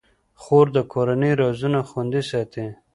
خور د کورنۍ رازونه خوندي ساتي.